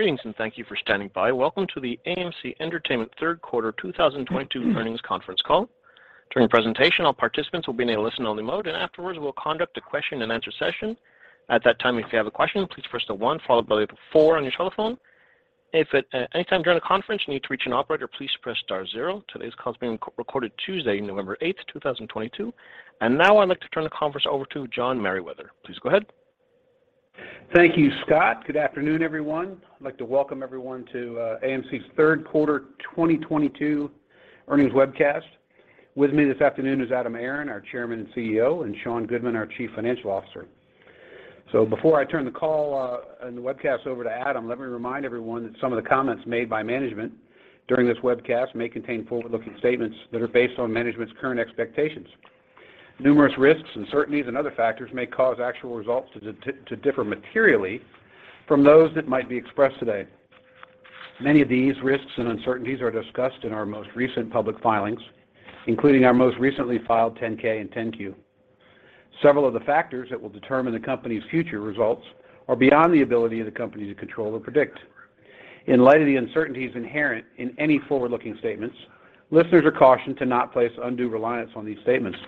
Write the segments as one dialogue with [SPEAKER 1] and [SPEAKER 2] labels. [SPEAKER 1] Greetings, and thank you for standing by. Welcome to the AMC Entertainment third quarter 2022 earnings conference call. During the presentation, all participants will be in a listen-only mode, and afterwards we'll conduct a question-and-answer session. At that time, if you have a question, please press the one followed by the four on your telephone. If at any time during the conference you need to reach an operator, please press star zero. Today's call is being recorded Tuesday, November 8th, 2022. Now I'd like to turn the conference over to John Merriwether. Please go ahead.
[SPEAKER 2] Thank you, Scott. Good afternoon, everyone. I'd like to welcome everyone to AMC's third quarter 2022 earnings webcast. With me this afternoon is Adam Aron, our Chairman and CEO, and Sean Goodman, our Chief Financial Officer. Before I turn the call and the webcast over to Adam, let me remind everyone that some of the comments made by management during this webcast may contain forward-looking statements that are based on management's current expectations. Numerous risks, uncertainties, and other factors may cause actual results to differ materially from those that might be expressed today. Many of these risks and uncertainties are discussed in our most recent public filings, including our most recently filed 10-K and 10-Q. Several of the factors that will determine the company's future results are beyond the ability of the company to control or predict. In light of the uncertainties inherent in any forward-looking statements, listeners are cautioned to not place undue reliance on these statements.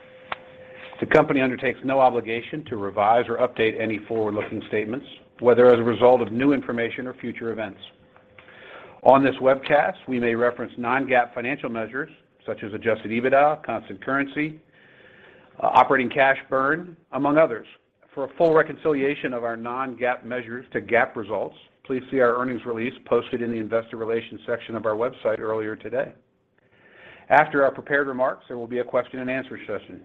[SPEAKER 2] The company undertakes no obligation to revise or update any forward-looking statements, whether as a result of new information or future events. On this webcast, we may reference non-GAAP financial measures such as Adjusted EBITDA, Constant Currency, Operating Cash Burn, among others. For a full reconciliation of our non-GAAP measures to GAAP results, please see our earnings release posted in the investor relations section of our website earlier today. After our prepared remarks, there will be a question-and-answer session.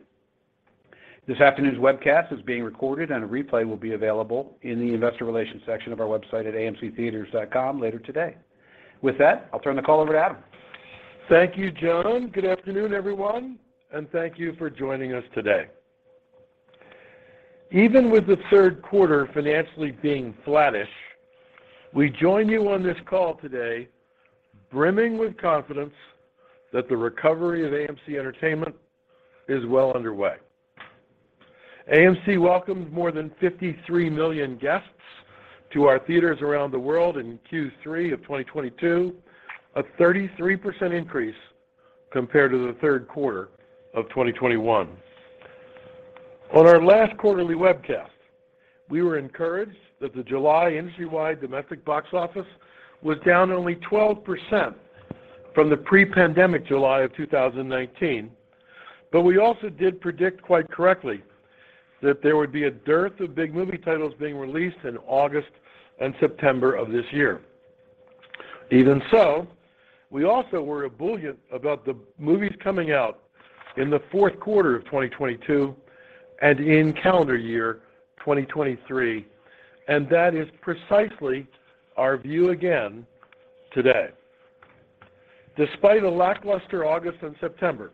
[SPEAKER 2] This afternoon's webcast is being recorded and a replay will be available in the investor relations section of our website at amctheatres.com later today. With that, I'll turn the call over to Adam.
[SPEAKER 3] Thank you, John. Good afternoon, everyone, and thank you for joining us today. Even with the third quarter financially being flattish, we join you on this call today brimming with confidence that the recovery of AMC Entertainment is well underway. AMC welcomed more than 53 million guests to our theaters around the world in Q3 of 2022, a 33% increase compared to the third quarter of 2021. On our last quarterly webcast, we were encouraged that the July industry-wide domestic box office was down only 12% from the pre-pandemic July of 2019. We also did predict quite correctly that there would be a dearth of big movie titles being released in August and September of this year. Even so, we also were ebullient about the movies coming out in the fourth quarter of 2022 and in calendar year 2023, and that is precisely our view again today. Despite a lackluster August and September,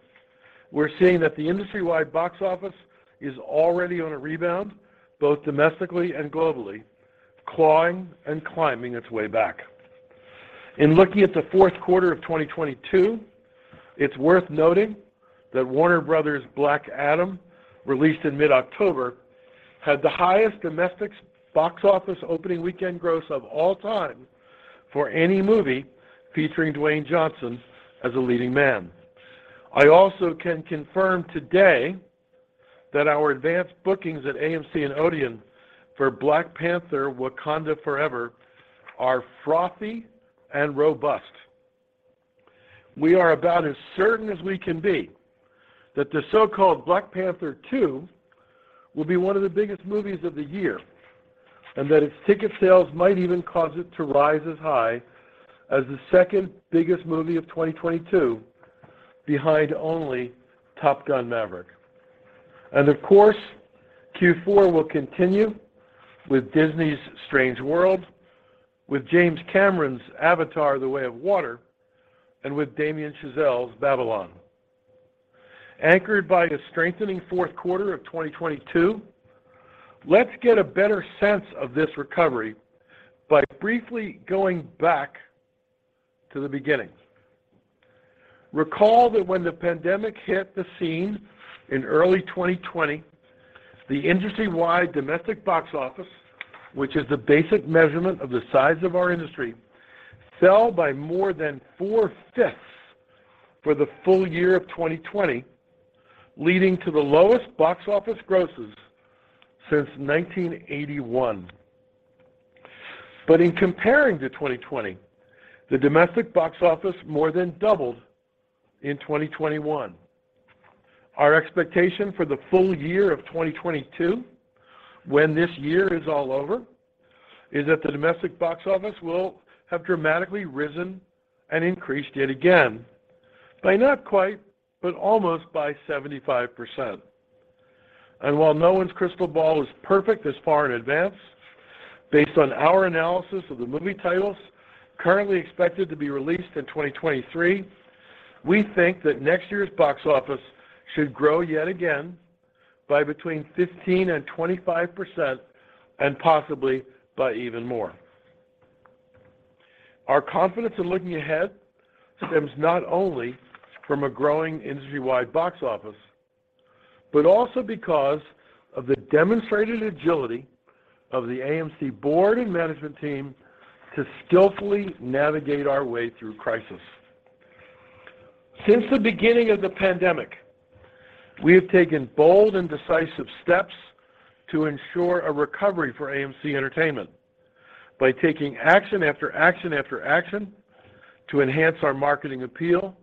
[SPEAKER 3] we're seeing that the industry-wide box office is already on a rebound, both domestically and globally, clawing and climbing its way back. In looking at the fourth quarter of 2022, it's worth noting that Warner Bros.' Black Adam, released in mid-October, had the highest domestic box office opening weekend gross of all time for any movie featuring Dwayne Johnson as a leading man. I also can confirm today that our advanced bookings at AMC and Odeon for Black Panther: Wakanda Forever are frothy and robust. We are about as certain as we can be that the so-called Black Panther Two will be one of the biggest movies of the year, and that its ticket sales might even cause it to rise as high as the second-biggest movie of 2022, behind only Top Gun: Maverick. Of course, Q4 will continue with Disney's Strange World, with James Cameron's Avatar: The Way of Water, and with Damien Chazelle's Babylon. Anchored by the strengthening fourth quarter of 2022, let's get a better sense of this recovery by briefly going back to the beginning. Recall that when the pandemic hit the scene in early 2020, the industry-wide domestic box office, which is the basic measurement of the size of our industry, fell by more than 4/5 for the full year of 2020, leading to the lowest box office grosses since 1981. In comparing to 2020, the domestic box office more than doubled in 2021. Our expectation for the full year of 2022, when this year is all over, is that the domestic box office will have dramatically risen and increased yet again by not quite, but almost by 75%. While no one's crystal ball is perfect this far in advance, based on our analysis of the movie titles currently expected to be released in 2023, we think that next year's box office should grow yet again by between 15% and 25%, and possibly by even more. Our confidence in looking ahead stems not only from a growing industry-wide box office but also because of the demonstrated agility of the AMC board and management team to skillfully navigate our way through crisis. Since the beginning of the pandemic, we have taken bold and decisive steps to ensure a recovery for AMC Entertainment by taking action after action after action to enhance our marketing appeal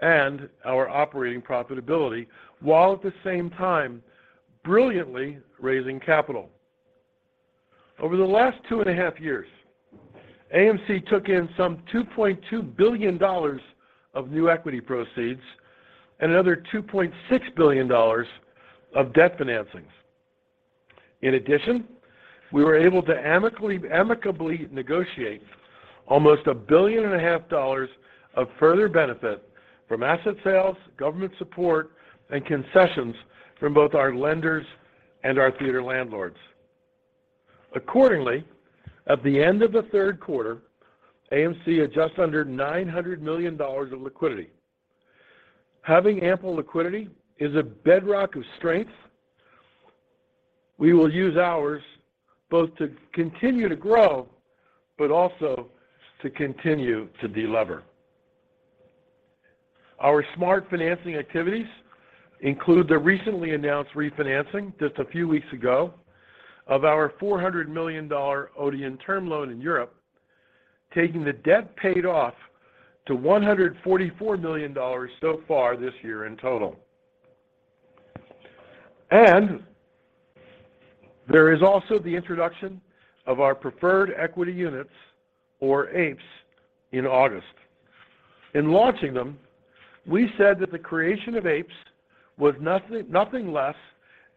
[SPEAKER 3] and our operating profitability, while at the same time brilliantly raising capital. Over the last 2.5 years, AMC took in some $2.2 billion of new equity proceeds and another $2.6 billion of debt financings. In addition, we were able to amicably negotiate almost $1.5 billion of further benefit from asset sales, government support, and concessions from both our lenders and our theater landlords. Accordingly, at the end of the third quarter, AMC had just under $900 million of liquidity. Having ample liquidity is a bedrock of strength. We will use ours both to continue to grow, but also to continue to deliver. Our smart financing activities include the recently announced refinancing just a few weeks ago of our $400 million Odeon term loan in Europe, taking the debt paid off to $144 million so far this year in total. There is also the introduction of our preferred equity units or APEs in August. In launching them, we said that the creation of APEs was nothing less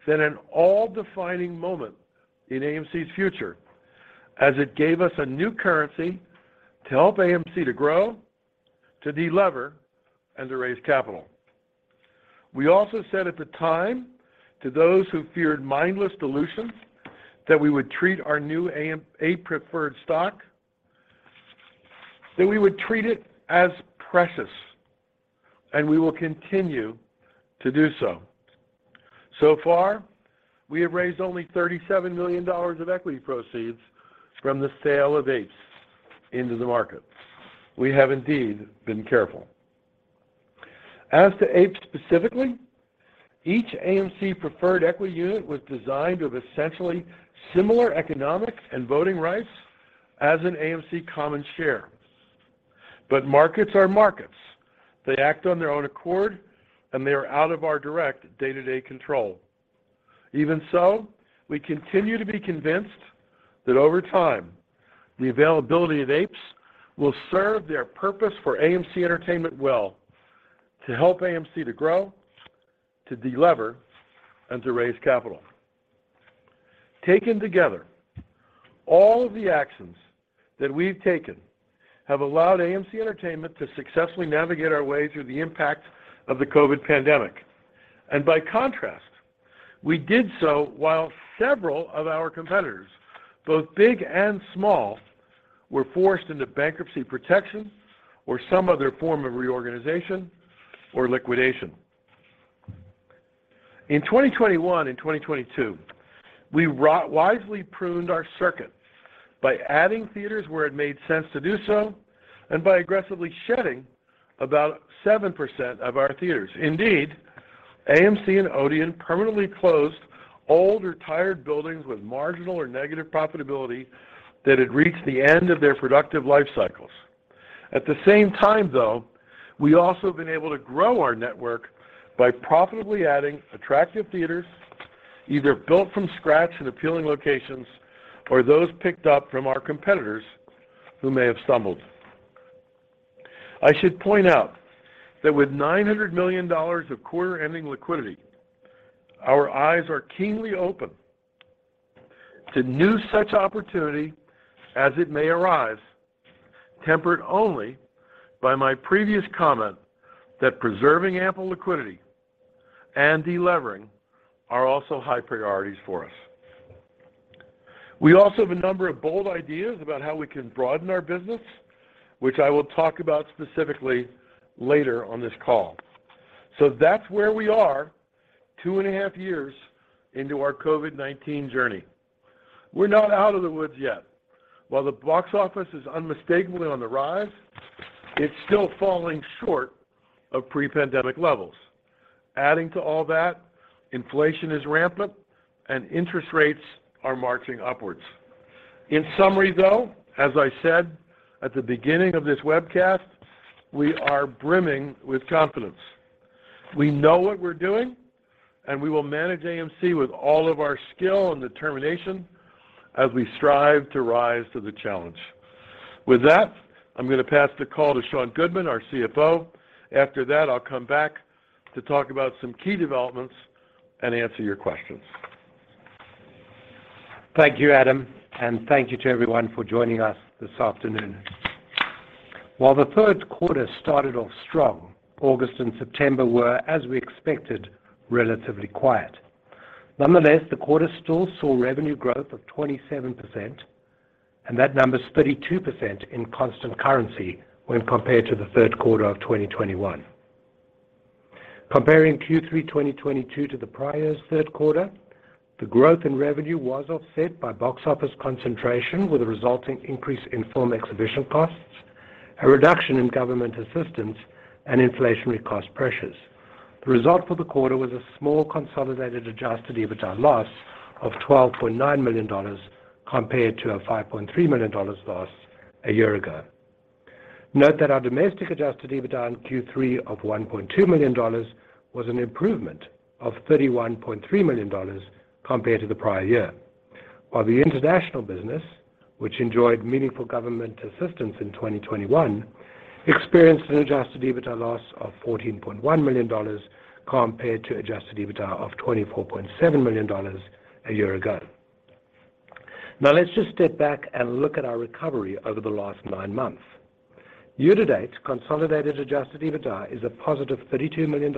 [SPEAKER 3] than an all-defining moment in AMC's future as it gave us a new currency to help AMC to grow, to deliver, and to raise capital. We also said at the time to those who feared mindless dilution, that we would treat our new APE preferred stock as precious, and we will continue to do so. So far, we have raised only $37 million of equity proceeds from the sale of APEs into the market. We have indeed been careful. As to APEs specifically, each AMC preferred equity unit was designed with essentially similar economics and voting rights as an AMC common share. Markets are markets. They act on their own accord, and they are out of our direct day-to-day control. Even so, we continue to be convinced that over time, the availability of APEs will serve their purpose for AMC Entertainment well to help AMC to grow, to deliver, and to raise capital. Taken together, all of the actions that we've taken have allowed AMC Entertainment to successfully navigate our way through the impact of the COVID pandemic. By contrast, we did so while several of our competitors, both big and small, were forced into bankruptcy protection or some other form of reorganization or liquidation. In 2021 and 2022, we wisely pruned our circuit by adding theaters where it made sense to do so and by aggressively shedding about 7% of our theaters. Indeed, AMC and Odeon permanently closed old or tired buildings with marginal or negative profitability that had reached the end of their productive life cycles. At the same time, though, we also have been able to grow our network by profitably adding attractive theaters, either built from scratch in appealing locations or those picked up from our competitors who may have stumbled. I should point out that with $900 million of quarter-ending liquidity, our eyes are keenly open to new such opportunity as it may arise, tempered only by my previous comment that preserving ample liquidity and delivering are also high priorities for us. We also have a number of bold ideas about how we can broaden our business, which I will talk about specifically later on this call. That's where we are 2.5 years into our COVID-19 journey. We're not out of the woods yet. While the box office is unmistakably on the rise, it's still falling short of pre-pandemic levels. Adding to all that, inflation is rampant and interest rates are marching upwards. In summary, though, as I said at the beginning of this webcast, we are brimming with confidence. We know what we're doing, and we will manage AMC with all of our skill and determination as we strive to rise to the challenge. With that, I'm gonna pass the call to Sean Goodman, our CFO. After that, I'll come back to talk about some key developments and answer your questions.
[SPEAKER 4] Thank you, Adam, and thank you to everyone for joining us this afternoon. While the third quarter started off strong, August and September were, as we expected, relatively quiet. Nonetheless, the quarter still saw revenue growth of 27%. That number is 32% in constant currency when compared to the third quarter of 2021. Comparing Q3 2022 to the prior's third quarter, the growth in revenue was offset by box office concentration with a resulting increase in film exhibition costs, a reduction in government assistance, and inflationary cost pressures. The result for the quarter was a small consolidated Adjusted EBITDA loss of $12.9 million compared to a $5.3 million loss a year ago. Note that our domestic Adjusted EBITDA in Q3 of $1.2 million was an improvement of $31.3 million compared to the prior year. While the international business, which enjoyed meaningful government assistance in 2021, experienced an Adjusted EBITDA loss of $14.1 million compared to Adjusted EBITDA of $24.7 million a year ago. Now let's just step back and look at our recovery over the last nine months. Year to date, consolidated Adjusted EBITDA is a positive $32 million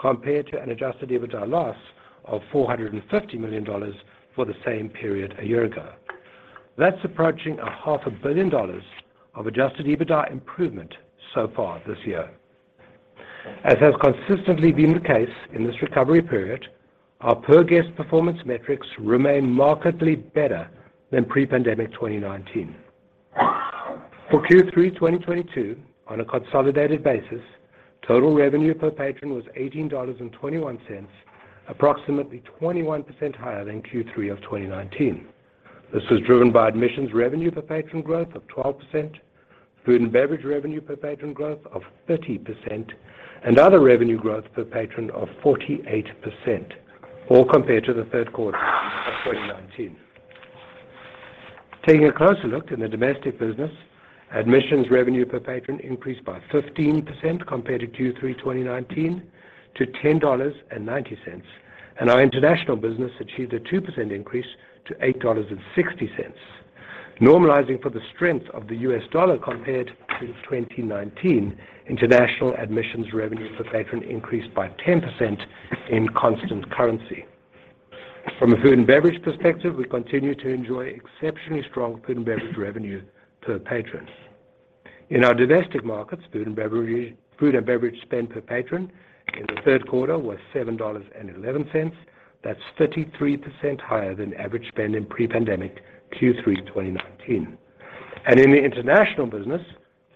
[SPEAKER 4] compared to an Adjusted EBITDA loss of $450 million for the same period a year ago. That's approaching $500 million of Adjusted EBITDA improvement so far this year. As has consistently been the case in this recovery period, our per-guest performance metrics remain markedly better than pre-pandemic 2019. For Q3 2022, on a consolidated basis, total revenue per patron was $18.21, approximately 21% higher than Q3 of 2019. This was driven by admissions revenue per patron growth of 12%, food and beverage revenue per patron growth of 30%, and other revenue growth per patron of 48%, all compared to the third quarter of 2019. Taking a closer look in the domestic business, admissions revenue per patron increased by 15% compared to Q3 2019 to $10.90, and our international business achieved a 2% increase to $8.60. Normalizing for the strength of the U.S. dollar compared to 2019, international admissions revenue per patron increased by 10% in constant currency. From a food and beverage perspective, we continue to enjoy exceptionally strong food and beverage revenue per patron. In our domestic markets, food and beverage spend per patron in the third quarter was $7.11. That's 33% higher than average spend in pre-pandemic Q3 2019. In the international business,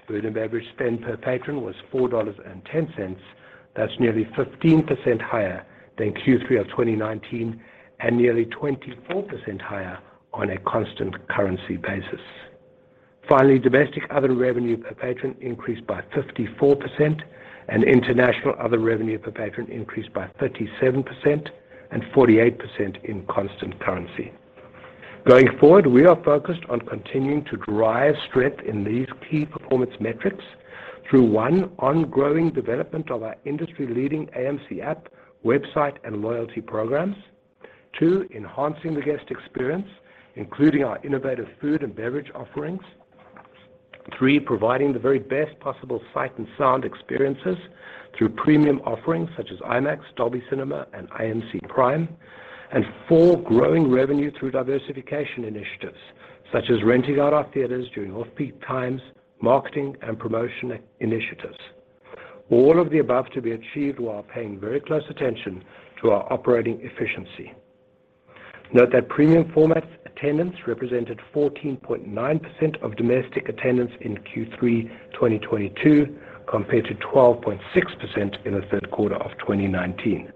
[SPEAKER 4] food and beverage spend per patron was $4.10. That's nearly 15% higher than Q3 2019 and nearly 24% higher on a constant currency basis. Finally, domestic other revenue per patron increased by 54% and international other revenue per patron increased by 37% and 48% in constant currency. Going forward, we are focused on continuing to drive strength in these key performance metrics through, one, ongoing development of our industry-leading AMC app, website, and loyalty programs. Two, enhancing the guest experience, including our innovative food and beverage offerings. Three, providing the very best possible sight and sound experiences through premium offerings such as IMAX, Dolby Cinema, and PRIME at AMC. Four, growing revenue through diversification initiatives such as renting out our theaters during off-peak times, marketing, and promotion initiatives. All of the above to be achieved while paying very close attention to our operating efficiency. Note that premium format attendance represented 14.9% of domestic attendance in Q3 2022, compared to 12.6% in the third quarter of 2019.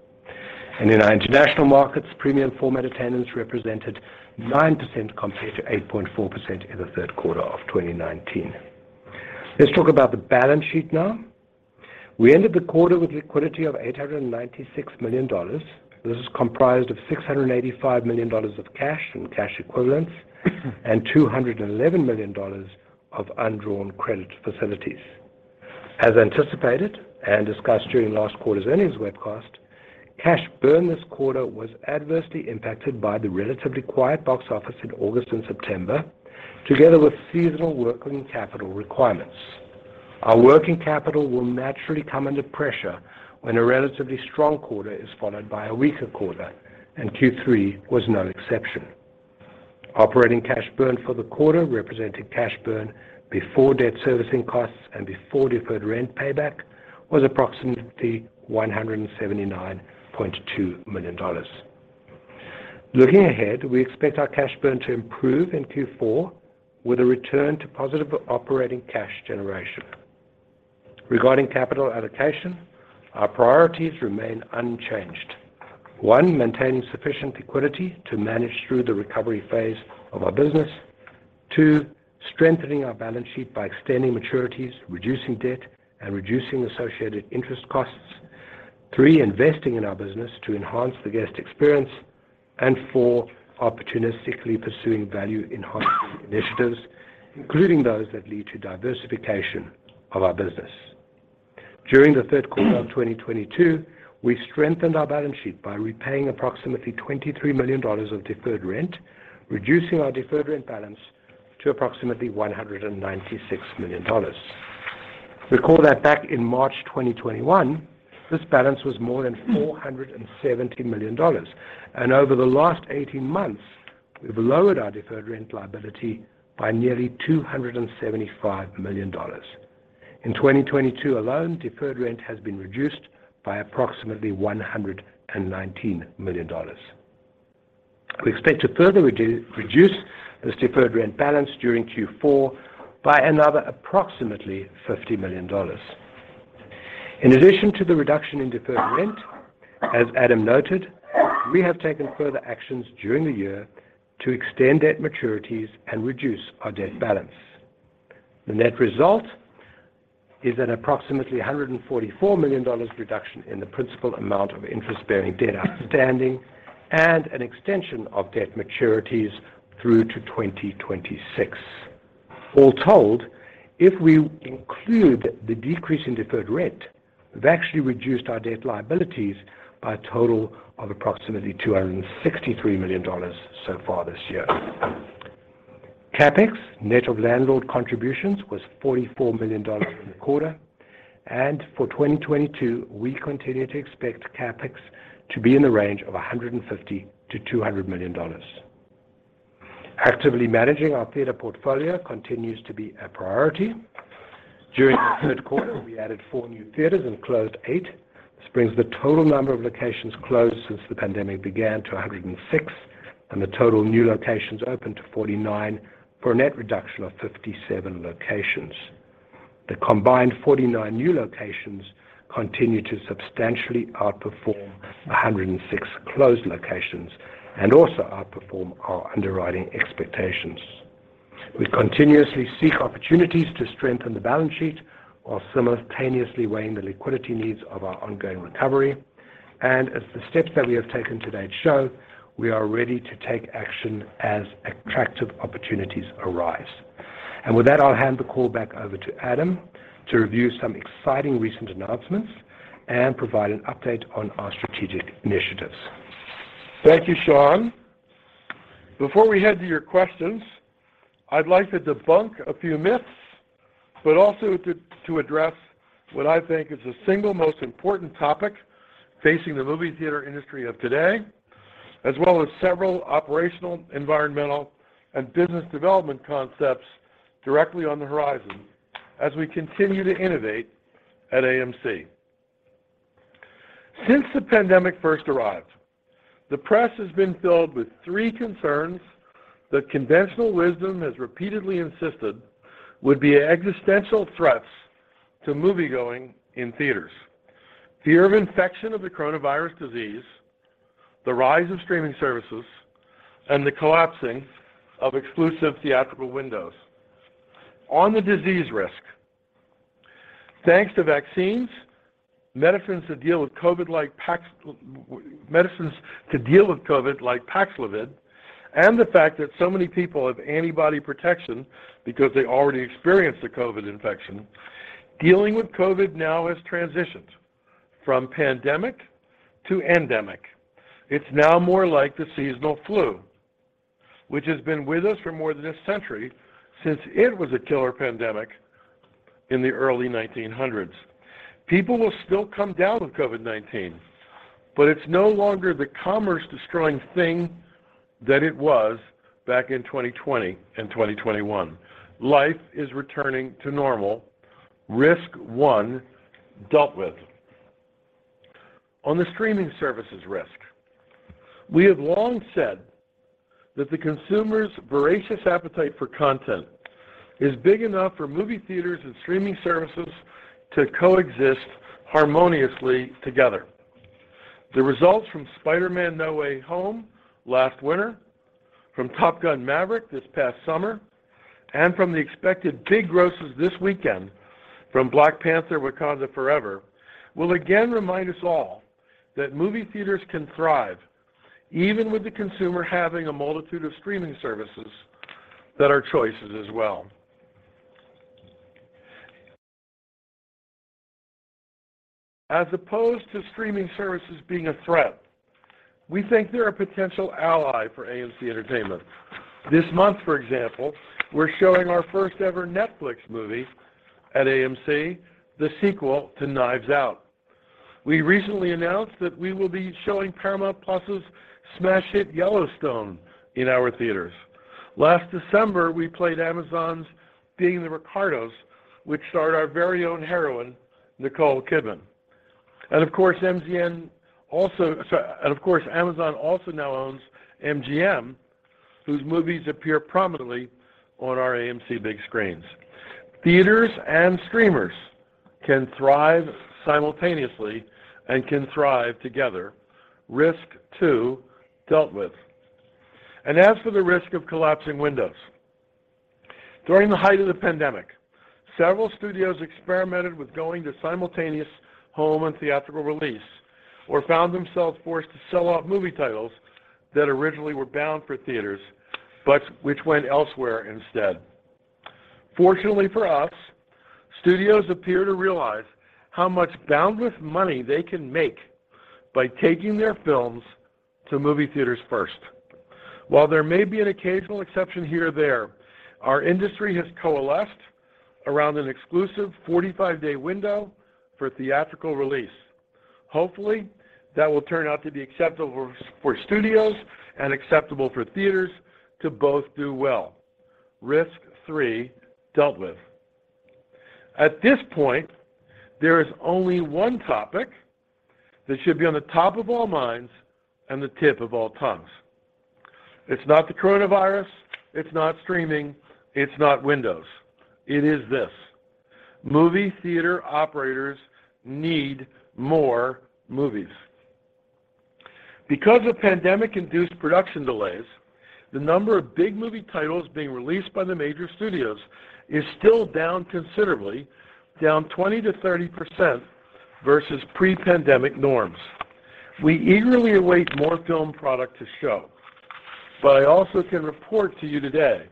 [SPEAKER 4] In our international markets, premium format attendance represented 9% compared to 8.4% in the third quarter of 2019. Let's talk about the balance sheet now. We ended the quarter with liquidity of $896 million. This is comprised of $685 million of cash and cash equivalents and $211 million of undrawn credit facilities. As anticipated and discussed during last quarter's earnings webcast, cash burn this quarter was adversely impacted by the relatively quiet box office in August and September, together with seasonal working capital requirements. Our working capital will naturally come under pressure when a relatively strong quarter is followed by a weaker quarter, and Q3 was no exception. Operating Cash Burn for the quarter represented cash burn before debt servicing costs and before deferred rent payback was approximately $179.2 million. Looking ahead, we expect our cash burn to improve in Q4 with a return to positive operating cash generation. Regarding capital allocation, our priorities remain unchanged. One, maintaining sufficient liquidity to manage through the recovery phase of our business. Two, strengthening our balance sheet by extending maturities, reducing debt, and reducing associated interest costs. Three, investing in our business to enhance the guest experience. Four, opportunistically pursuing value-enhancing initiatives, including those that lead to diversification of our business. During the third quarter of 2022, we strengthened our balance sheet by repaying approximately $23 million of deferred rent, reducing our deferred rent balance to approximately $196 million. Recall that back in March 2021, this balance was more than $470 million. Over the last 18 months, we've lowered our deferred rent liability by nearly $275 million. In 2022 alone, deferred rent has been reduced by approximately $119 million. We expect to further reduce this deferred rent balance during Q4 by another approximately $50 million. In addition to the reduction in deferred rent, as Adam noted, we have taken further actions during the year to extend debt maturities and reduce our debt balance. The net result is an approximately $144 million reduction in the principal amount of interest-bearing debt outstanding and an extension of debt maturities through to 2026. All told, if we include the decrease in deferred rent, we've actually reduced our debt liabilities by a total of approximately $263 million so far this year. CapEx, net of landlord contributions, was $44 million in the quarter, and for 2022, we continue to expect CapEx to be in the range of $150 million-$200 million. Actively managing our theater portfolio continues to be a priority. During the third quarter, we added four new theaters and closed eight. This brings the total number of locations closed since the pandemic began to 106, and the total new locations opened to 49, for a net reduction of 57 locations. The combined 49 new locations continue to substantially outperform 106 closed locations and also outperform our underwriting expectations. We continuously seek opportunities to strengthen the balance sheet while simultaneously weighing the liquidity needs of our ongoing recovery. As the steps that we have taken to date show, we are ready to take action as attractive opportunities arise. With that, I'll hand the call back over to Adam to review some exciting recent announcements and provide an update on our strategic initiatives.
[SPEAKER 3] Thank you, Sean. Before we head to your questions, I'd like to debunk a few myths, but also to address what I think is the single most important topic facing the movie theater industry of today, as well as several operational, environmental, and business development concepts directly on the horizon as we continue to innovate at AMC. Since the pandemic first arrived, the press has been filled with three concerns that conventional wisdom has repeatedly insisted would be existential threats to moviegoing in theaters, fear of infection of the coronavirus disease, the rise of streaming services, and the collapsing of exclusive theatrical windows. On the disease risk, thanks to vaccines, medicines to deal with COVID like Paxlovid, and the fact that so many people have antibody protection because they already experienced the COVID infection, dealing with COVID now has transitioned from pandemic to endemic. It's now more like the seasonal flu, which has been with us for more than a century since it was a killer pandemic in the early 1900s. People will still come down with COVID-19, but it's no longer the commerce-destroying thing that it was back in 2020 and 2021. Life is returning to normal. Risk one dealt with. On the streaming services risk. We have long said that the consumer's voracious appetite for content is big enough for movie theaters and streaming services to coexist harmoniously together. The results from Spider-Man: No Way Home last winter, from Top Gun: Maverick this past summer, and from the expected big grosses this weekend from Black Panther: Wakanda Forever will again remind us all that movie theaters can thrive even with the consumer having a multitude of streaming services that are choices as well. As opposed to streaming services being a threat, we think they're a potential ally for AMC Entertainment. This month, for example, we're showing our first ever Netflix movie at AMC, the sequel to Knives Out. We recently announced that we will be showing Paramount plus smash hit Yellowstone in our theaters. Last December, we played Amazon's Being the Ricardos, which starred our very own heroine, Nicole Kidman. Amazon also now owns MGM, whose movies appear prominently on our AMC big screens. Theaters and streamers can thrive simultaneously and can thrive together. Risk two dealt with. As for the risk of collapsing windows. During the height of the pandemic, several studios experimented with going to simultaneous home and theatrical release, or found themselves forced to sell off movie titles that originally were bound for theaters, but which went elsewhere instead. Fortunately for us, studios appear to realize how much boundless money they can make by taking their films to movie theaters first. While there may be an occasional exception here or there, our industry has coalesced around an exclusive 45-day window for theatrical release. Hopefully, that will turn out to be acceptable for studios and acceptable for theaters to both do well. Risk three dealt with. At this point, there is only one topic that should be on the top of all minds and the tip of all tongues. It's not the coronavirus, it's not streaming, it's not windows. It is this. Movie theater operators need more movies. Because of pandemic-induced production delays, the number of big movie titles being released by the major studios is still down considerably, down 20%-30% versus pre-pandemic norms. We eagerly await more film product to show. I also can report to you today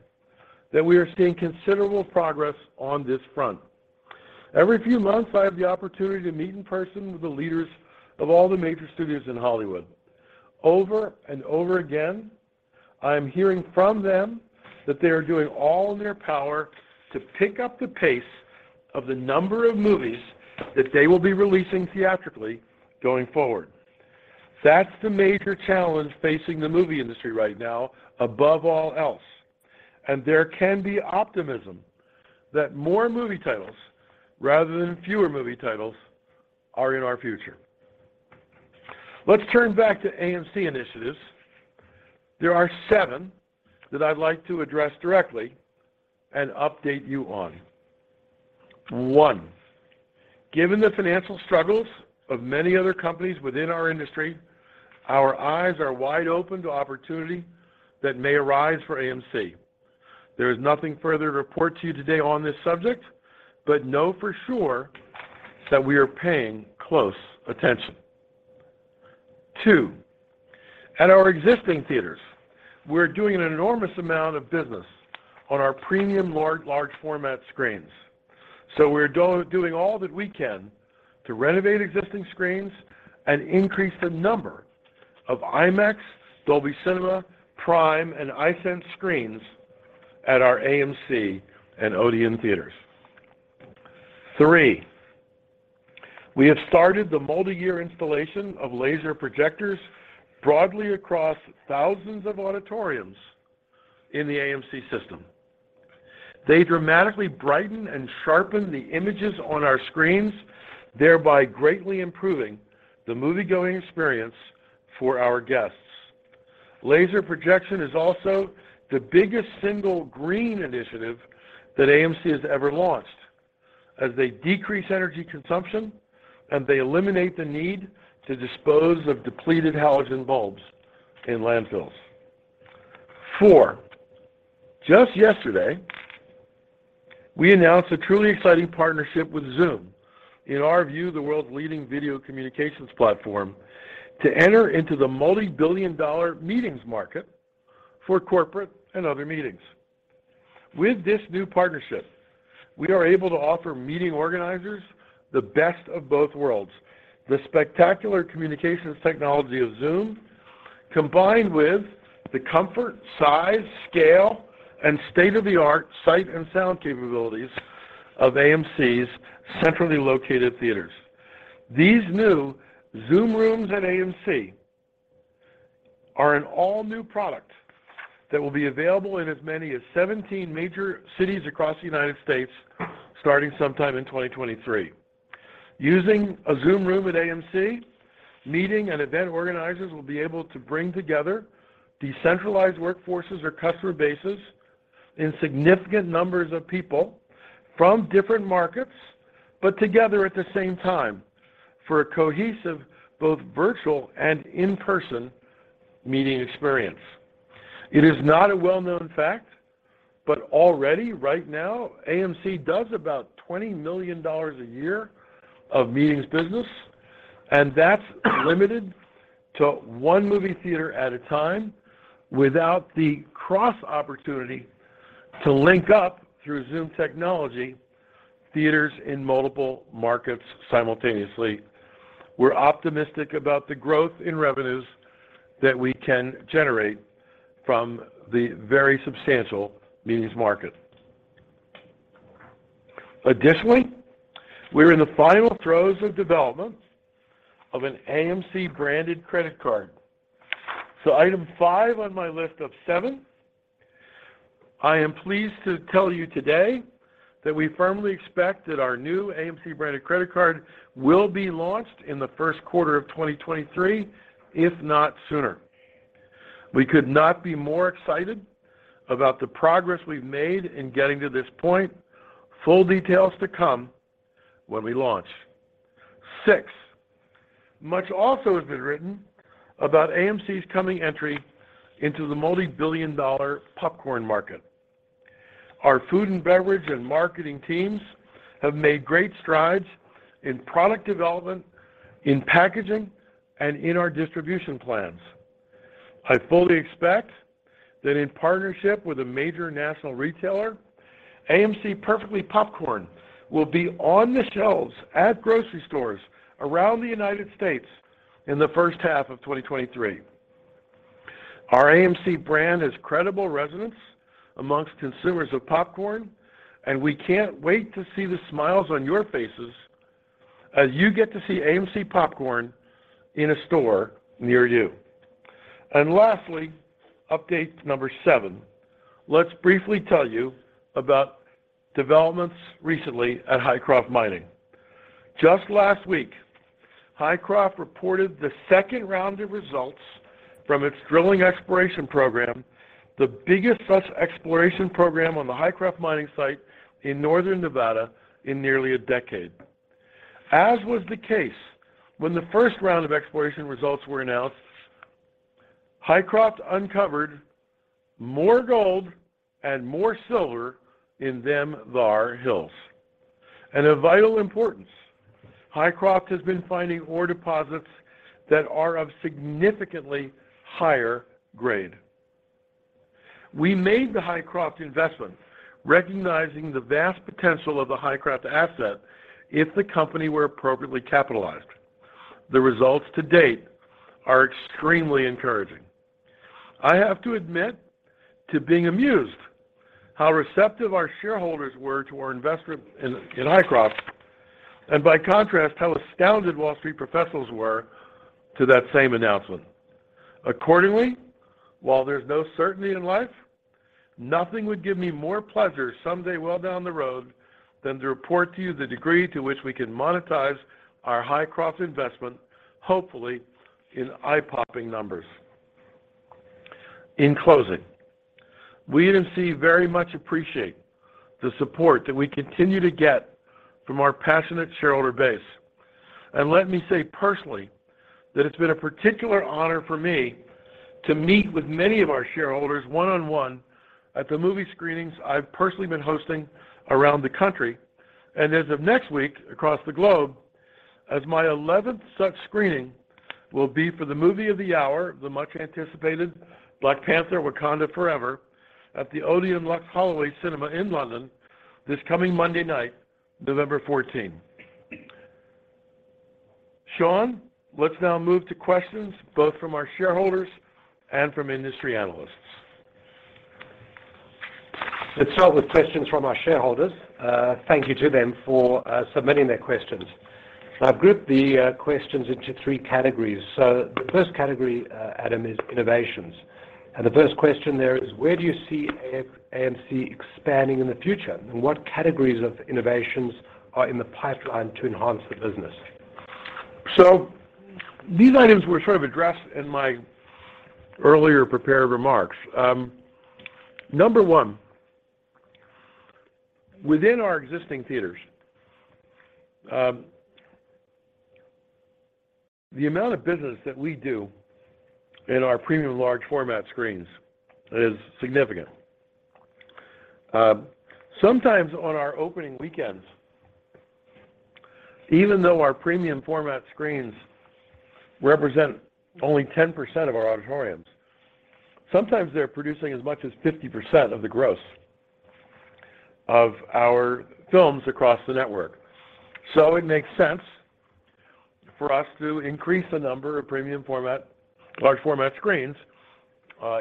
[SPEAKER 3] that we are seeing considerable progress on this front. Every few months, I have the opportunity to meet in person with the leaders of all the major studios in Hollywood. Over and over again, I am hearing from them that they are doing all in their power to pick up the pace of the number of movies that they will be releasing theatrically going forward. That's the major challenge facing the movie industry right now above all else, and there can be optimism that more movie titles rather than fewer movie titles are in our future. Let's turn back to AMC initiatives. There are seven that I'd like to address directly and update you on. One, given the financial struggles of many other companies within our industry, our eyes are wide open to opportunity that may arise for AMC. There is nothing further to report to you today on this subject, but know for sure that we are paying close attention. Two, at our existing theaters, we're doing an enormous amount of business on our premium large format screens. So we're doing all that we can to renovate existing screens and increase the number of IMAX, Dolby Cinema, PRIME, and iSense screens at our AMC and Odeon theaters. Three, we have started the multi-year installation of laser projectors broadly across thousands of auditoriums in the AMC system. They dramatically brighten and sharpen the images on our screens, thereby greatly improving the moviegoing experience for our guests. Laser projection is also the biggest single green initiative that AMC has ever launched, as they decrease energy consumption and they eliminate the need to dispose of depleted halogen bulbs in landfills. Four, just yesterday, we announced a truly exciting partnership with Zoom, in our view, the world's leading video communications platform, to enter into the multi-billion-dollar meetings market for corporate and other meetings. With this new partnership, we are able to offer meeting organizers the best of both worlds, the spectacular communications technology of Zoom, combined with the comfort, size, scale, and state-of-the-art sight and sound capabilities of AMC's centrally located theaters. These new Zoom Rooms at AMC are an all-new product that will be available in as many as 17 major cities across the United States starting sometime in 2023. Using a Zoom Room at AMC, meeting and event organizers will be able to bring together decentralized workforces or customer bases in significant numbers of people from different markets, put together at the same time for a cohesive both virtual and in-person meeting experience. It is not a well-known fact, but already right now, AMC does about $20 million a year of meetings business, and that's limited to one movie theater at a time without the cross opportunity to link up through Zoom technology theaters in multiple markets simultaneously. We're optimistic about the growth in revenues that we can generate from the very substantial meetings market. Additionally, we're in the final throes of development of an AMC-branded credit card. Item five on my list of seven, I am pleased to tell you today that we firmly expect that our new AMC-branded credit card will be launched in the first quarter of 2023, if not sooner. We could not be more excited about the progress we've made in getting to this point. Full details to come when we launch. Six, much also has been written about AMC's coming entry into the multi-billion dollar popcorn market. Our food and beverage and marketing teams have made great strides in product development, in packaging, and in our distribution plans. I fully expect that in partnership with a major national retailer, AMC Perfectly Popcorn will be on the shelves at grocery stores around the United States in the first half of 2023. Our AMC brand has credible resonance amongst consumers of popcorn, and we can't wait to see the smiles on your faces as you get to see AMC Popcorn in a store near you. Lastly, update number seven, let's briefly tell you about developments recently at Hycroft Mining. Just last week, Hycroft reported the second round of results from its drilling exploration program, the biggest such exploration program on the Hycroft Mining site in northern Nevada in nearly a decade. As was the case when the first round of exploration results were announced, Hycroft uncovered more gold and more silver in them thar hills. Of vital importance, Hycroft has been finding ore deposits that are of significantly higher grade. We made the Hycroft investment recognizing the vast potential of the Hycroft asset if the company were appropriately capitalized. The results to date are extremely encouraging. I have to admit to being amused how receptive our shareholders were to our investment in Hycroft and by contrast, how astounded Wall Street professionals were to that same announcement. Accordingly, while there's no certainty in life, nothing would give me more pleasure someday well down the road than to report to you the degree to which we can monetize our Hycroft investment, hopefully in eye-popping numbers. In closing, we at AMC very much appreciate the support that we continue to get from our passionate shareholder base. Let me say personally that it's been a particular honor for me to meet with many of our shareholders one-on-one at the movie screenings I've personally been hosting around the country and as of next week, across the globe, as my 11th such screening will be for the movie of the hour, the much-anticipated Black Panther: Wakanda Forever, at the Odeon Luxe Holloway cinema in London this coming Monday night, November 14th. Sean, let's now move to questions both from our shareholders and from industry analysts.
[SPEAKER 4] Let's start with questions from our shareholders. Thank you to them for submitting their questions. I've grouped the questions into three categories. The first category, Adam, is innovations. The first question there is: Where do you see AMC expanding in the future, and what categories of innovations are in the pipeline to enhance the business?
[SPEAKER 3] These items were sort of addressed in my earlier prepared remarks. Number one, within our existing theaters, the amount of business that we do in our premium large-format screens is significant. Sometimes on our opening weekends, even though our premium-format screens represent only 10% of our auditoriums, sometimes they're producing as much as 50% of the gross of our films across the network. It makes sense for us to increase the number of premium large-format screens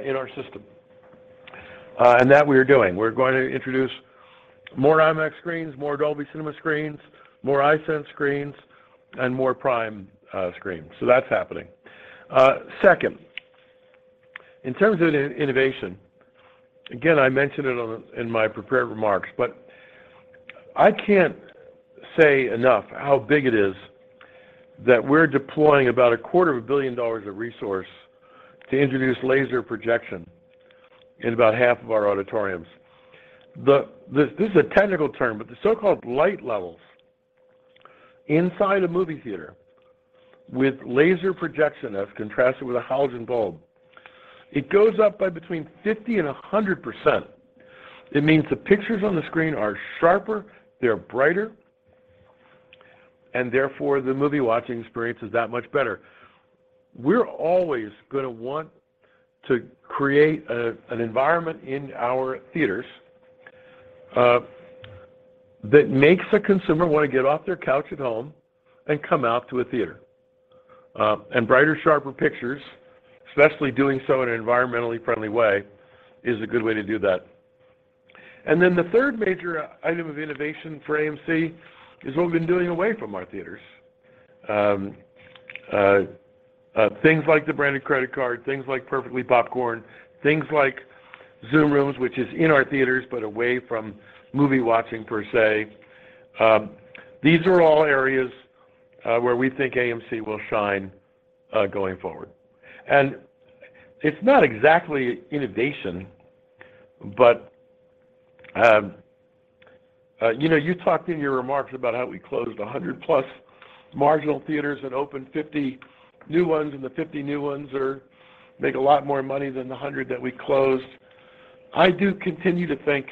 [SPEAKER 3] in our system, and that we are doing. We're going to introduce more IMAX screens, more Dolby Cinema screens, more iSense screens, and more PRIME screens. That's happening. Second, in terms of innovation, again, I mentioned it in my prepared remarks, but I can't say enough how big it is that we're deploying about $250 million of resource to introduce laser projection in about half of our auditoriums. This is a technical term, but the so-called light levels inside a movie theater with laser projection as contrasted with a halogen bulb, it goes up by between 50% and 100%. It means the pictures on the screen are sharper, they're brighter, and therefore the movie-watching experience is that much better. We're always gonna want to create an environment in our theaters that makes a consumer wanna get off their couch at home and come out to a theater. Brighter, sharper pictures, especially doing so in an environmentally friendly way, is a good way to do that. The third major item of innovation for AMC is what we've been doing away from our theaters. Things like the branded credit card, things like Perfectly Popcorn, things like Zoom Rooms, which is in our theaters but away from movie watching per se. These are all areas where we think AMC will shine going forward. It's not exactly innovation, but, you know, you talked in your remarks about how we closed 100+ marginal theaters and opened 50 new ones, and the 50 new ones make a lot more money than the 100 that we closed. I do continue to think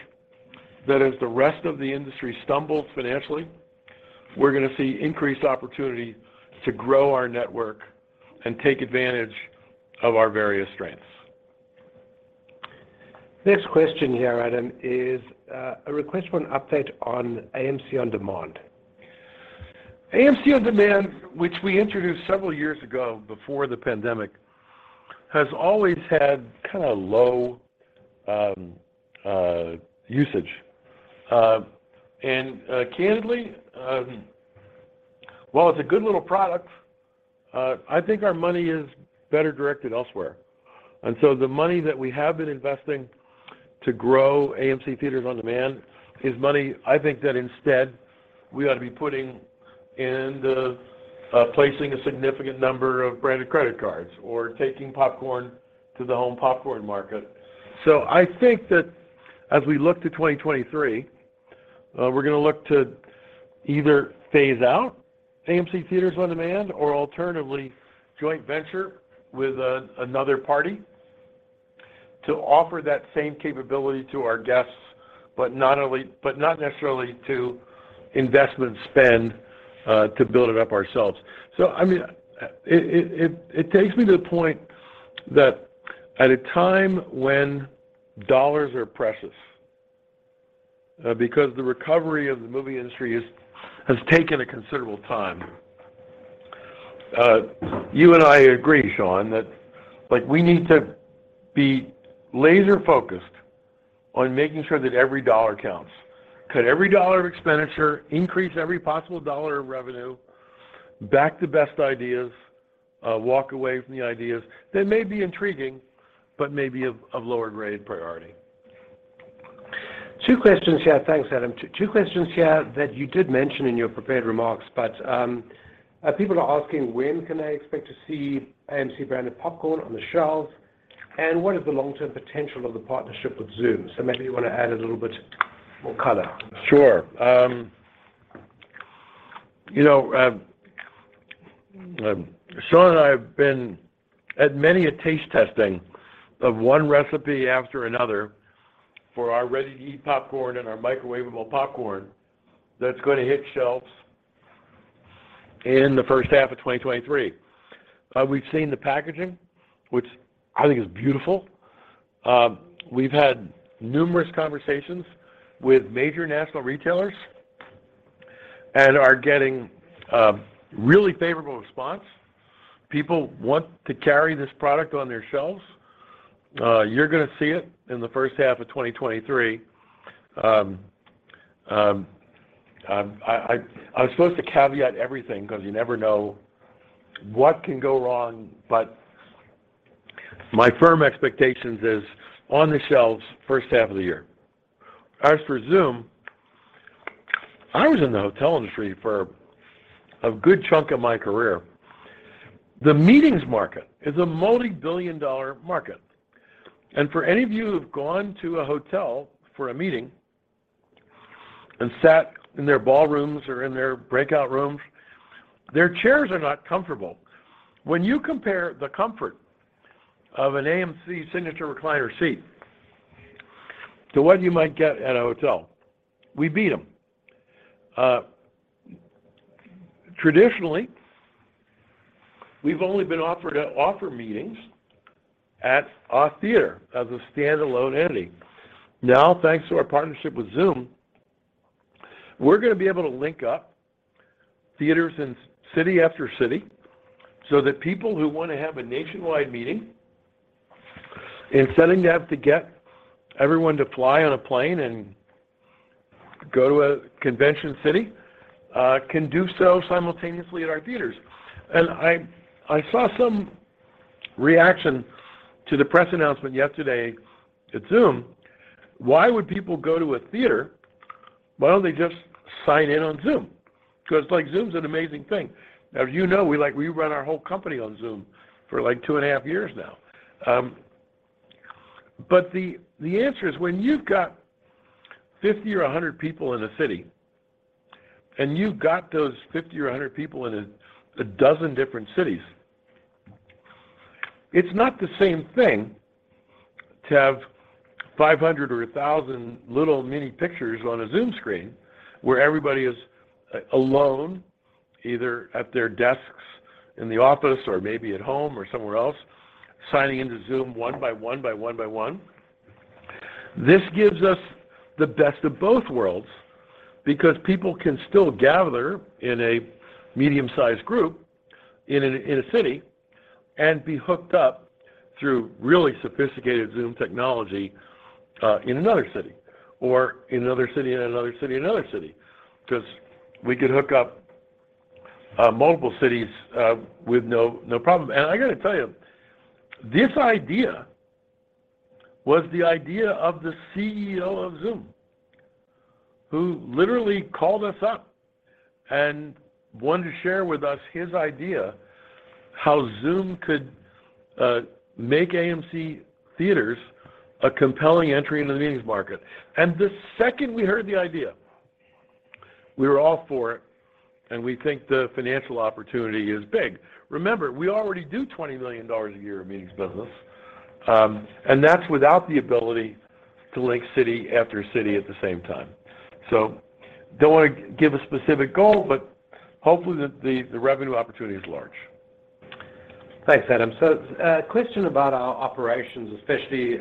[SPEAKER 3] that as the rest of the industry stumbles financially. We're gonna see increased opportunity to grow our network and take advantage of our various strengths.
[SPEAKER 4] Next question here, Adam, is a request for an update on AMC On Demand.
[SPEAKER 3] AMC Theatres On Demand, which we introduced several years ago before the pandemic, has always had kinda low usage. Candidly, while it's a good little product, I think our money is better directed elsewhere. The money that we have been investing to grow AMC Theatres On Demand is money I think that instead we ought to be putting into placing a significant number of branded credit cards or taking popcorn to the home popcorn market. I think that as we look to 2023, we're gonna look to either phase out AMC Theatres On Demand or alternatively joint venture with another party to offer that same capability to our guests, but not necessarily to invest and spend to build it up ourselves. I mean, it takes me to the point that at a time when dollars are precious, because the recovery of the movie industry has taken a considerable time. You and I agree, Sean, that like we need to be laser-focused on making sure that every dollar counts. Cut every dollar of expenditure, increase every possible dollar of revenue, back the best ideas, walk away from the ideas that may be intriguing but may be of lower grade priority.
[SPEAKER 4] Two questions here. Thanks, Adam. Two questions here that you did mention in your prepared remarks. People are asking, "When can I expect to see AMC branded popcorn on the shelves? And what is the long-term potential of the partnership with Zoom?" Maybe you wanna add a little bit more color.
[SPEAKER 3] Sure. You know, Sean and I have been at many a taste testing of one recipe after another for our ready-to-eat popcorn and our microwavable popcorn that's gonna hit shelves in the first half of 2023. We've seen the packaging, which I think is beautiful. We've had numerous conversations with major national retailers and are getting really favorable response. People want to carry this product on their shelves. You're gonna see it in the first half of 2023. I'm supposed to caveat everything 'cause you never know what can go wrong, but my firm expectations is on the shelves first half of the year. As for Zoom, I was in the hotel industry for a good chunk of my career. The meetings market is a multi-billion-dollar market, and for any of you who've gone to a hotel for a meeting and sat in their ballrooms or in their breakout rooms, their chairs are not comfortable. When you compare the comfort of an AMC signature recliner seat to what you might get at a hotel, we beat them. Traditionally, we've only been offered to offer meetings at a theater as a standalone entity. Now, thanks to our partnership with Zoom, we're gonna be able to link up theaters in city after city so that people who wanna have a nationwide meeting, instead of having to get everyone to fly on a plane and go to a convention city, can do so simultaneously at our theaters. I saw some reaction to the press announcement yesterday about Zoom. Why would people go to a theater? Why don't they just sign in on Zoom? Cause like Zoom's an amazing thing. Now, as you know, we like, we run our whole company on Zoom for like 2.5 years now. But the answer is when you've got 50 or 100 people in a city, and you've got those 50 or 100 people in 12 different cities, it's not the same thing to have 500 or 1,000 little mini pictures on a Zoom screen where everybody is alone, either at their desks in the office or maybe at home or somewhere else, signing into Zoom one by one. This gives us the best of both worlds because people can still gather in a medium-sized group in a city and be hooked up through really sophisticated Zoom technology in another city 'cause we can hook up multiple cities with no problem. I gotta tell you, this idea was the idea of the CEO of Zoom, who literally called us up and wanted to share with us his idea how Zoom could make AMC Theatres a compelling entry into the meetings market. The second we heard the idea, we were all for it, and we think the financial opportunity is big. Remember, we already do $20 million a year of meetings business. That's without the ability to link city after city at the same time. Don't wanna give a specific goal, but hopefully the revenue opportunity is large.
[SPEAKER 4] Thanks, Adam. A question about our operations, especially,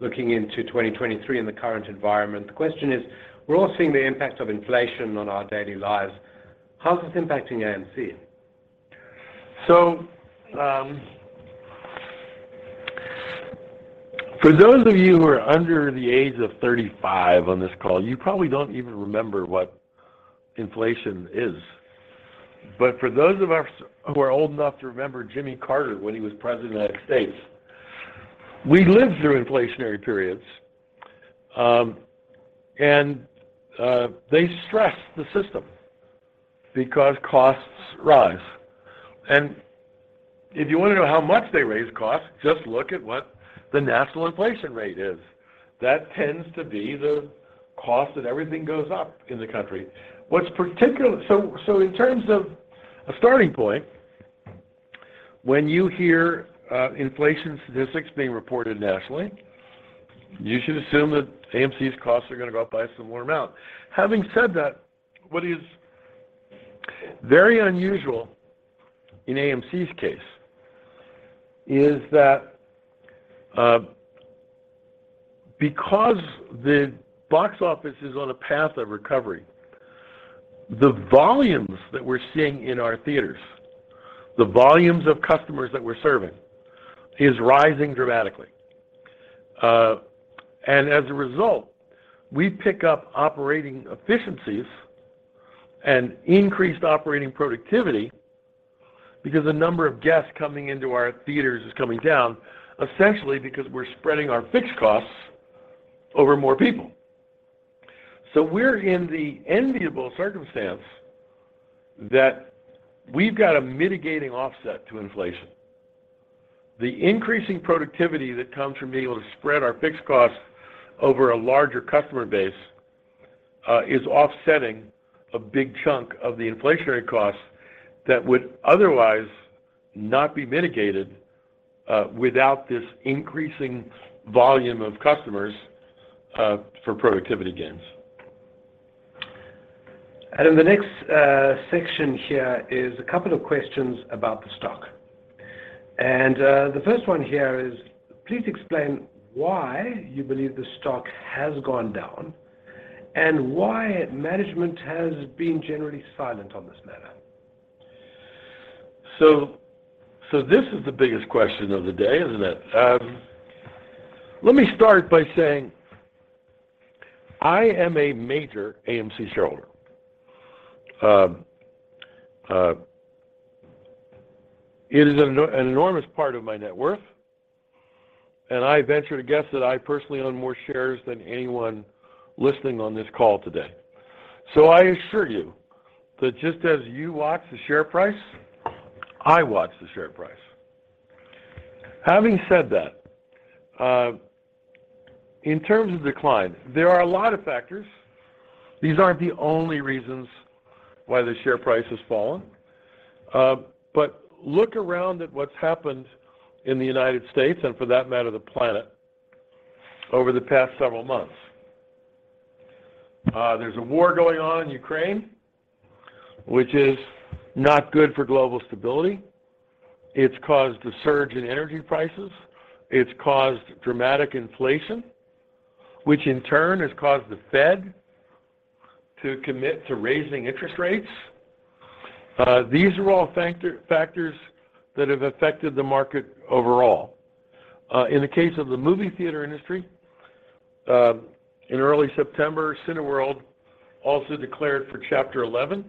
[SPEAKER 4] looking into 2023 in the current environment. The question is, we're all seeing the impact of inflation on our daily lives. How is this impacting AMC?
[SPEAKER 3] For those of you who are under the age of 35 on this call, you probably don't even remember what inflation is. For those of us who are old enough to remember Jimmy Carter when he was President of the United States, we lived through inflationary periods, and they stress the system because costs rise. If you wanna know how much they raise costs, just look at what the national inflation rate is. That tends to be the cost that everything goes up in the country. In terms of a starting point, when you hear inflation statistics being reported nationally, you should assume that AMC's costs are gonna go up by a similar amount. Having said that, what is very unusual in AMC's case is that, because the box office is on a path of recovery, the volumes that we're seeing in our theaters, the volumes of customers that we're serving, is rising dramatically. As a result, we pick up operating efficiencies and increased operating productivity because the number of guests coming into our theaters is coming down, essentially because we're spreading our fixed costs over more people. We're in the enviable circumstance that we've got a mitigating offset to inflation. The increasing productivity that comes from being able to spread our fixed costs over a larger customer base, is offsetting a big chunk of the inflationary costs that would otherwise not be mitigated, without this increasing volume of customers, for productivity gains.
[SPEAKER 4] In the next section here is a couple of questions about the stock. The first one here is, please explain why you believe the stock has gone down and why management has been generally silent on this matter.
[SPEAKER 3] This is the biggest question of the day, isn't it? Let me start by saying I am a major AMC shareholder. It is an enormous part of my net worth, and I venture to guess that I personally own more shares than anyone listening on this call today. I assure you that just as you watch the share price, I watch the share price. Having said that, in terms of decline, there are a lot of factors. These aren't the only reasons why the share price has fallen. Look around at what's happened in the United States, and for that matter, the planet, over the past several months. There's a war going on in Ukraine, which is not good for global stability. It's caused a surge in energy prices. It's caused dramatic inflation, which in turn has caused the Fed to commit to raising interest rates. These are all factors that have affected the market overall. In the case of the movie theater industry, in early September, Cineworld also declared for Chapter 11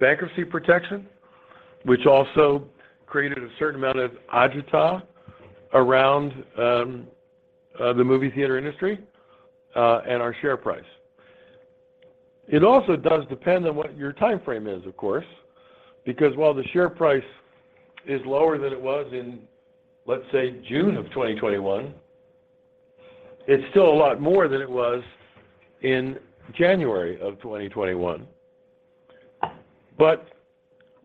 [SPEAKER 3] bankruptcy protection, which also created a certain amount of agita around the movie theater industry and our share price. It also does depend on what your time frame is, of course, because while the share price is lower than it was in, let's say, June of 2021, it's still a lot more than it was in January of 2021.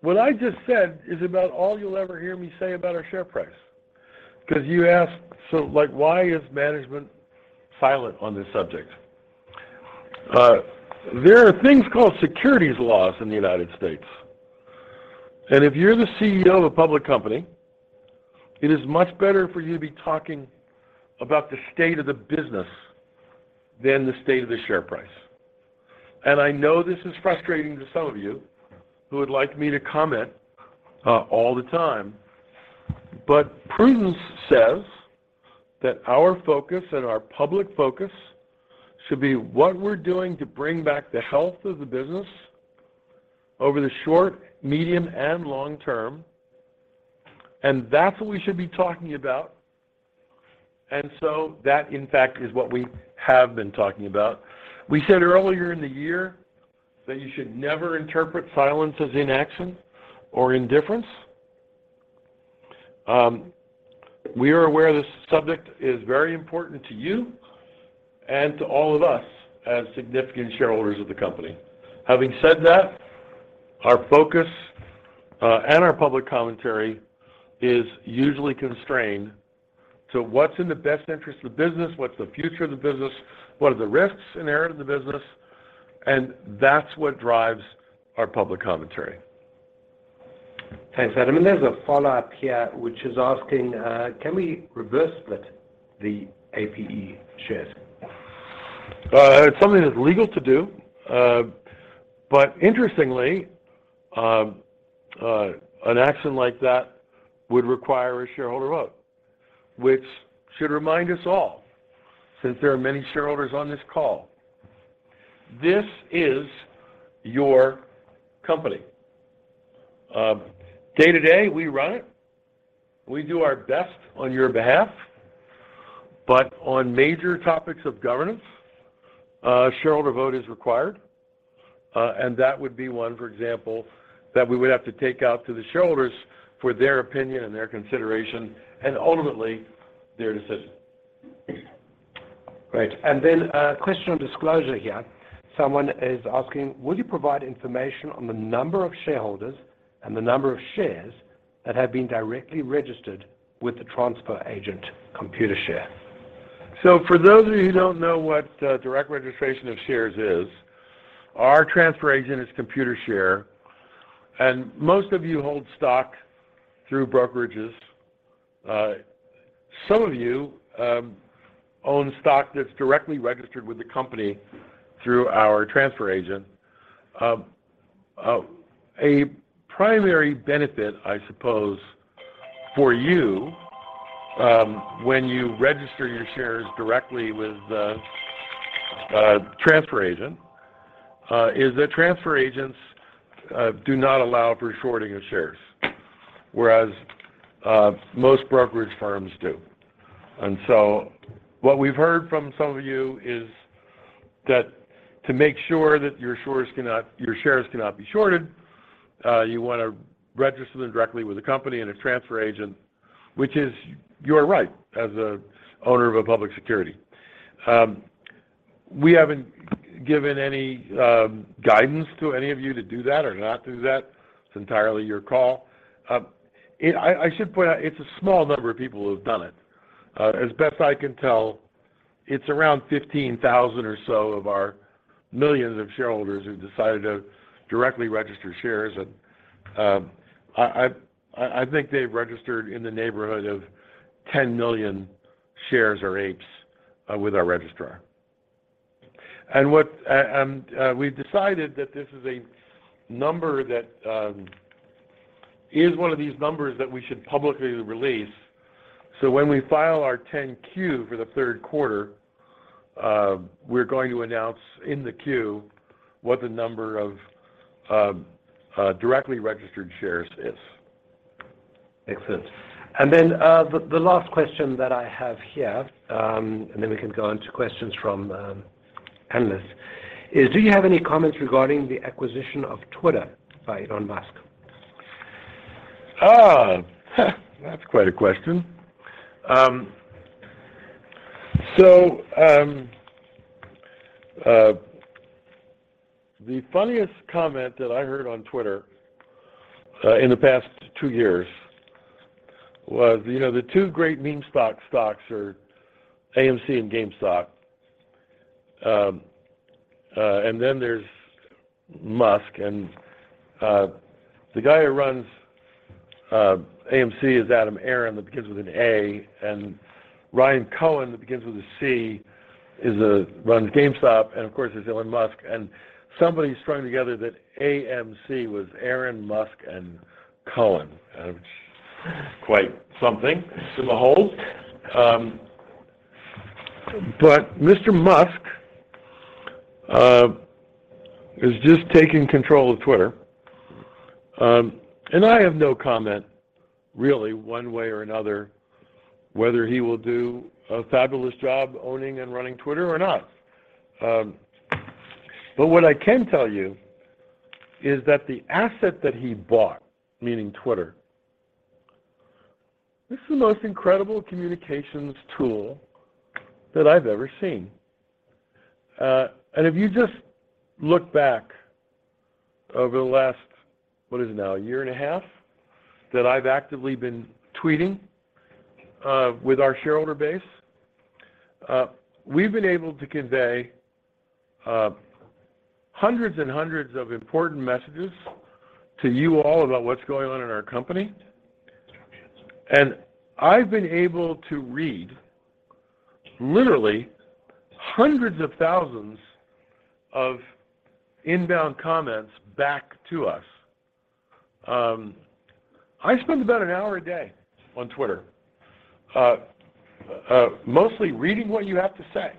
[SPEAKER 3] What I just said is about all you'll ever hear me say about our share price because you asked, so, like, why is management silent on this subject? There are things called securities laws in the United States. If you're the CEO of a public company, it is much better for you to be talking about the state of the business than the state of the share price. I know this is frustrating to some of you who would like me to comment all the time. Prudence says that our focus and our public focus should be what we're doing to bring back the health of the business over the short, medium, and long term, and that's what we should be talking about. That in fact is what we have been talking about. We said earlier in the year that you should never interpret silence as inaction or indifference. We are aware this subject is very important to you. To all of us as significant shareholders of the company. Having said that, our focus, and our public commentary is usually constrained to what's in the best interest of the business, what's the future of the business, what are the risks inherent in the business, and that's what drives our public commentary.
[SPEAKER 4] Thanks, Adam. There's a follow-up here, which is asking, can we reverse split the APE shares?
[SPEAKER 3] It's something that's legal to do. Interestingly, an action like that would require a shareholder vote, which should remind us all, since there are many shareholders on this call, this is your company. Day-to-day, we run it. We do our best on your behalf. On major topics of governance, a shareholder vote is required, and that would be one, for example, that we would have to take out to the shareholders for their opinion and their consideration, and ultimately, their decision.
[SPEAKER 4] Great. A question on disclosure here. Someone is asking, "Will you provide information on the number of shareholders and the number of shares that have been directly registered with the transfer agent, Computershare?
[SPEAKER 3] For those of you who don't know what direct registration of shares is, our transfer agent is Computershare, and most of you hold stock through brokerages. Some of you own stock that's directly registered with the company through our transfer agent. A primary benefit, I suppose, for you when you register your shares directly with the transfer agent is that transfer agents do not allow for shorting of shares, whereas most brokerage firms do. What we've heard from some of you is that to make sure that your shares cannot be shorted, you want to register them directly with the company and a transfer agent, which is your right as an owner of a public security. We haven't given any guidance to any of you to do that or not do that. It's entirely your call. I should point out it's a small number of people who have done it. As best I can tell, it's around 15,000 or so of our millions of shareholders who've decided to directly register shares. I think they've registered in the neighborhood of 10 million shares or APEs with our registrar. We've decided that this is a number that is one of these numbers that we should publicly release. When we file our 10-Q for the third quarter, we're going to announce in the 10-Q what the number of directly registered shares is.
[SPEAKER 4] Makes sense. The last question that I have here, and then we can go on to questions from analysts is, do you have any comments regarding the acquisition of Twitter by Elon Musk?
[SPEAKER 3] That's quite a question. The funniest comment that I heard on Twitter in the past two years was, you know, the two great meme stocks are AMC and GameStop, and then there's Musk. The guy who runs AMC is Adam Aron, that begins with an A, and Ryan Cohen, that begins with a C, runs GameStop, and of course there's Elon Musk. Somebody strung together that AMC was Aron, Musk, and Cohen, which is quite something to behold. Mr. Musk is just taking control of Twitter. I have no comment really one way or another whether he will do a fabulous job owning and running Twitter or not. What I can tell you is that the asset that he bought, meaning Twitter, this is the most incredible communications tool that I've ever seen. If you just look back over the last, what is it now? 1.5 years that I've actively been tweeting with our shareholder base, we've been able to convey hundreds and hundreds of important messages to you all about what's going on in our company. I've been able to read literally hundreds of thousands of inbound comments back to us. I spend about an hour a day on Twitter, mostly reading what you have to say,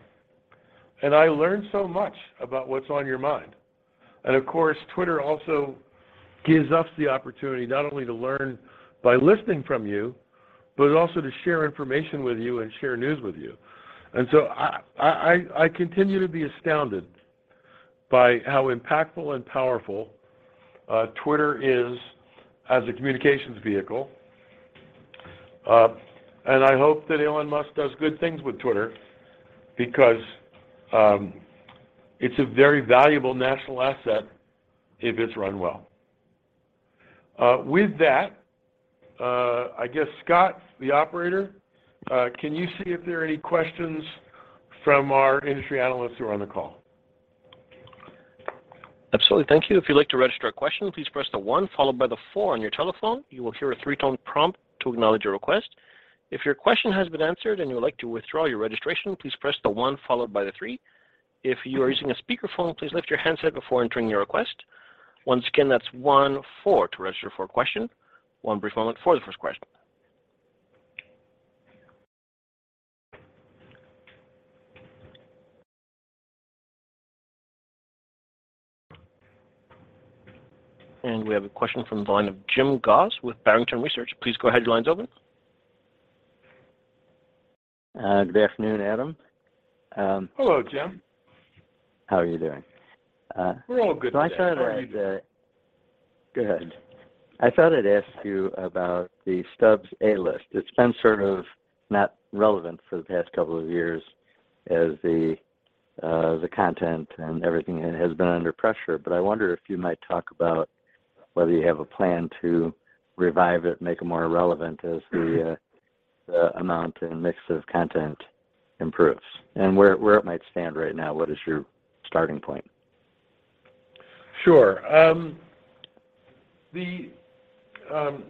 [SPEAKER 3] and I learn so much about what's on your mind. Of course, Twitter also gives us the opportunity not only to learn by listening from you, but also to share information with you and share news with you. I continue to be astounded by how impactful and powerful Twitter is as a communications vehicle. I hope that Elon Musk does good things with Twitter because it's a very valuable national asset if it's run well. With that, I guess, Scott, the operator, can you see if there are any questions from our industry analysts who are on the call?
[SPEAKER 1] Absolutely. Thank you. If you'd like to register a question, please press the one followed by the four on your telephone. You will hear a three-tone prompt to acknowledge your request. If your question has been answered and you would like to withdraw your registration, please press the one followed by the three. If you are using a speakerphone, please lift your handset before entering your request. Once again, that's one-four to register for a question. One brief moment for the first question. We have a question from the line of James Goss with Barrington Research. Please go ahead. Your line's open.
[SPEAKER 5] Good afternoon, Adam.
[SPEAKER 3] Hello, James.
[SPEAKER 5] How are you doing?
[SPEAKER 3] We're all good today. How are you doing?
[SPEAKER 5] I thought I'd ask you about the Stubs A-List. It's been sort of not relevant for the past couple of years as the content and everything has been under pressure. I wonder if you might talk about whether you have a plan to revive it, make it more relevant as the-
[SPEAKER 3] Mm-hmm
[SPEAKER 5] The amount and mix of content improves and where it might stand right now. What is your starting point?
[SPEAKER 3] Sure. The A-List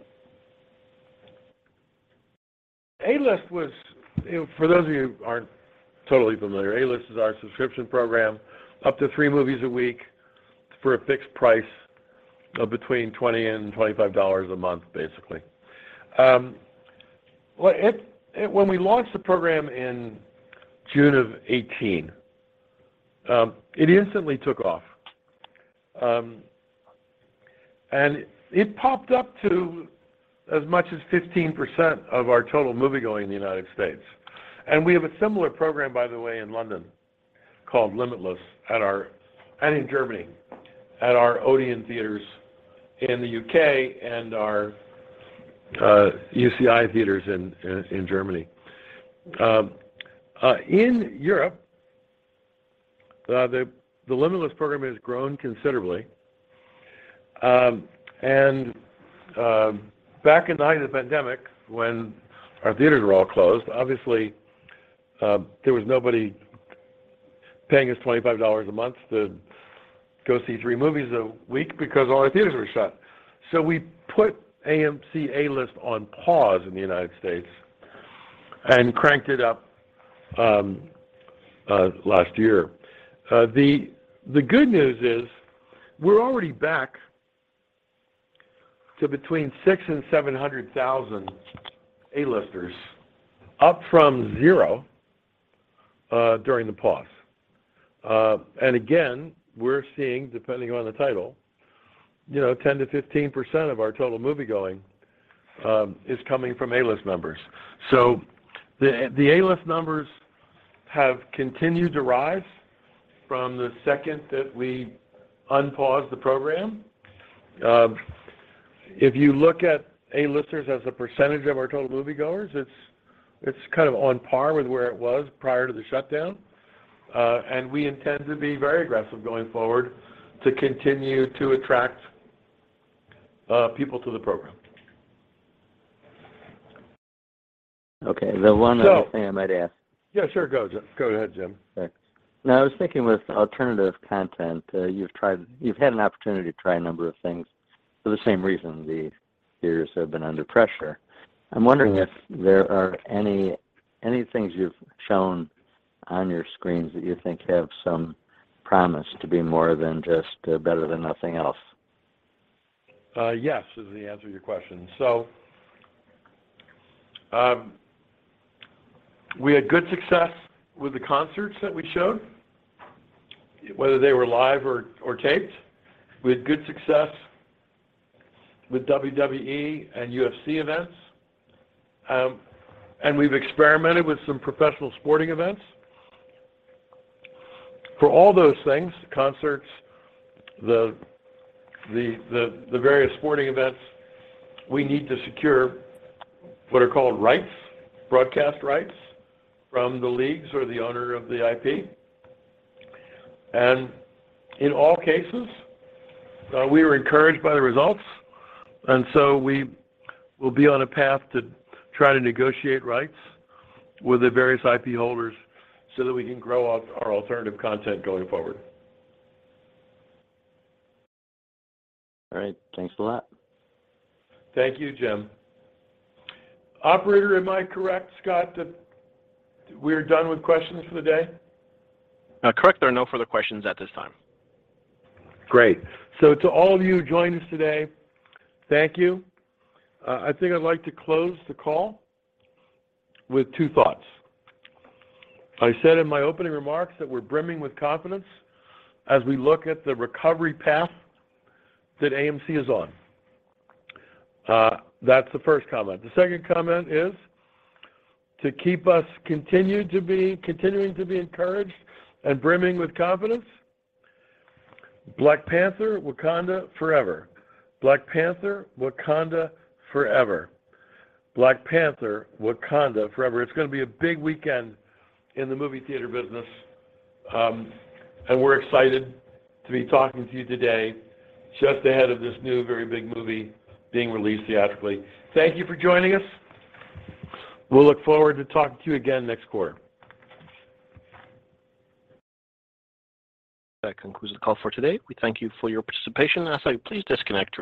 [SPEAKER 3] was. You know, for those of you who aren't totally familiar, A-List is our subscription program, up to three movies a week for a fixed price of between $20 and $25 a month, basically. It instantly took off. It popped up to as much as 15% of our total moviegoing in the United States. We have a similar program, by the way, in London called Limitless at our Odeon theaters in the U.K. and our UCI theaters in Germany. In Europe, the Limitless program has grown considerably. Back in the height of the pandemic when our theaters were all closed, obviously, there was nobody paying us $25 a month to go see three movies a week because all our theaters were shut. We put AMC A-List on pause in the United States and cranked it up last year. The good news is we're already back to between 600,000 and 700,000 A-Listers, up from zero during the pause. We're seeing, depending on the title, you know, 10%-15% of our total moviegoing is coming from A-List members. The A-List numbers have continued to rise from the second that we unpaused the program. If you look at A-Listers as a percentage of our total moviegoers, it's kind of on par with where it was prior to the shutdown. We intend to be very aggressive going forward to continue to attract people to the program.
[SPEAKER 5] Okay. The one other thing.
[SPEAKER 3] So-
[SPEAKER 5] I might ask.
[SPEAKER 3] Yeah, sure. Go ahead, Jim.
[SPEAKER 5] Thanks. Now I was thinking with alternative content, you've had an opportunity to try a number of things for the same reason the theaters have been under pressure. I'm wondering if there are any things you've shown on your screens that you think have some promise to be more than just better than nothing else.
[SPEAKER 3] Yes is the answer to your question. We had good success with the concerts that we showed, whether they were live or taped. We had good success with WWE and UFC events. We've experimented with some professional sporting events. For all those things, the concerts, the various sporting events, we need to secure what are called rights, broadcast rights from the leagues or the owner of the IP. In all cases, we were encouraged by the results, and so we will be on a path to try to negotiate rights with the various IP holders so that we can grow our alternative content going forward.
[SPEAKER 5] All right. Thanks a lot.
[SPEAKER 3] Thank you, James. Operator, am I correct, Scott, that we're done with questions for the day?
[SPEAKER 1] Correct. There are no further questions at this time.
[SPEAKER 3] Great. To all of you who joined us today, thank you. I think I'd like to close the call with two thoughts. I said in my opening remarks that we're brimming with confidence as we look at the recovery path that AMC is on. That's the first comment. The second comment is continuing to be encouraged and brimming with confidence. Black Panther: Wakanda Forever. It's gonna be a big weekend in the movie theater business, and we're excited to be talking to you today just ahead of this new very big movie being released theatrically. Thank you for joining us. We'll look forward to talking to you again next quarter.
[SPEAKER 1] That concludes the call for today. We thank you for your participation. Please disconnect your-